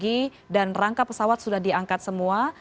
dilakukan sejak pagi dan rangka pesawat sudah diangkat semua